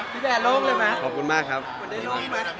พี่แดโล่งเลยมั้ย